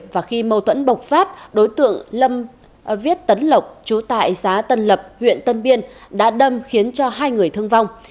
và khi mâu thuẫn bộc phát đối tượng lâm viết tấn lộc chú tại xã tân lập huyện tân biên đã đâm khiến cho hai người thương vong